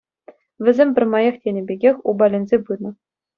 Вӗсем пӗрмаях тенӗ пекех упаленсе пынӑ.